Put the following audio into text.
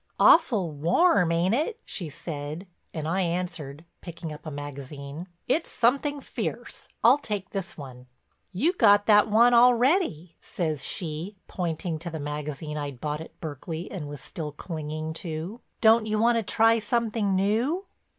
"Awful warm, ain't it?" she said, and I answered, picking up a magazine: "It's something fierce. I'll take this one." "You got that one already," says she, pointing to the magazine I'd bought at Berkeley and was still clinging to. "Don't you wanna try something new?"